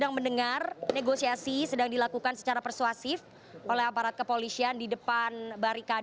anda lihat di sebelah kiri post polisi di sarina